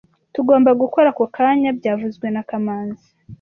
Tugomba gukora ako kanya byavuzwe na kamanzi